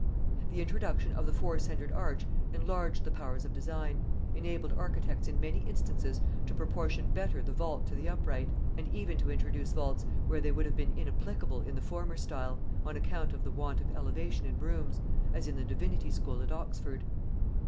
The introduction of the four centred arch enlarged the powers of design, enabled architects in many instances to proportion better the vault to the upright, and even to introduce vaults where they would have been inapplicable in the former style, on account of the want of elevation in rooms; as in the divinity school at Oxford.